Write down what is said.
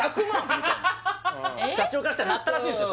みたいな社長からしたらなったらしいんすよ